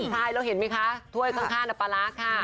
ใช่แล้วเห็นไหมคะถ้วยข้างนับปลารักษณ์ค่ะ